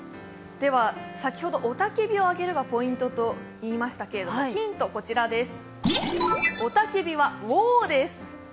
では先ほど雄たけびを上げるがポイントと言いましたけれどヒントはこちらです。